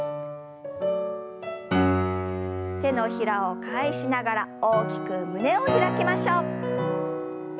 手のひらを返しながら大きく胸を開きましょう。